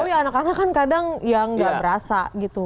karena nggak tahu ya anak anak kan kadang yang nggak berasa gitu